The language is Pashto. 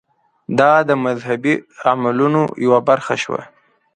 دا د مذهبي عملونو یوه برخه شوه.